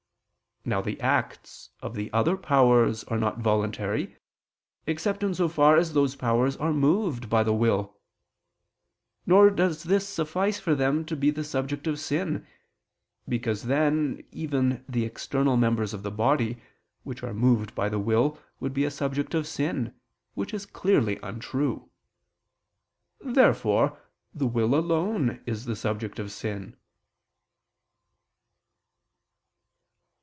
Now the acts of the other powers are not voluntary, except in so far as those powers are moved by the will; nor does this suffice for them to be the subject of sin, because then even the external members of the body, which are moved by the will, would be a subject of sin; which is clearly untrue. Therefore the will alone is the subject of sin.